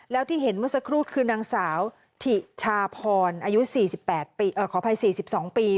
แล้วที่เห็นเมื่อสักครู่คือนางสาวถิชาพรอายุ๔๘ขออภัย๔๒ปี